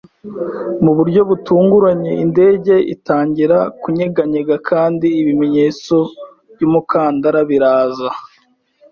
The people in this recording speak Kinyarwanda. Mu buryo butunguranye, indege itangira kunyeganyega kandi ibimenyetso by'umukandara biraza.